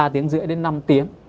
ba tiếng rưỡi đến năm tiếng